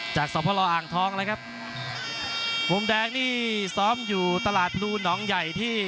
จากสวรรค์อ่างท้องนะครับวงแดงนี่ซ้อมอยู่ตลาดรูนองใหญ่ที่